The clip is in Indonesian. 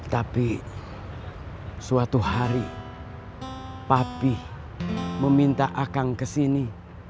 tapi suatu hari papi meminta akang ke sini